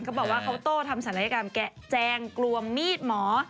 เขาบอกว่าเขาโต้ทำศัลยกรรมแกะแจงกลัวมีดหมอ